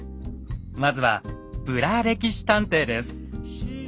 まずは「ブラ歴史探偵」です。